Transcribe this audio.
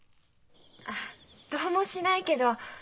あどうもしないけど。